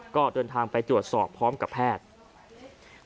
ก็เดินทางไปตรวจสอบพร้อมกับแพทย์